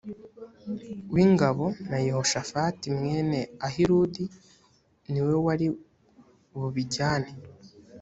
w ingabo na yehoshafati mwene ahiludi ni we wari bubijyane